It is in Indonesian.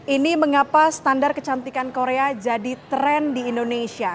ini mengapa standar kecantikan korea jadi tren di indonesia